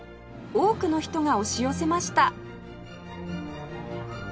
多くの人が押し寄せました